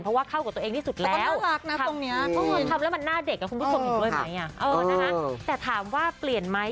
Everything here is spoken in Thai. เพราะว่าเข้ากับตัวเองที่สุดแล้วแต่ก็น่ารักนะตรงนี้ทำแล้วมันหน้าเด็กคุณผู้ชมเห็นด้วยไหมแต่ถามว่าเปลี่ยนไหม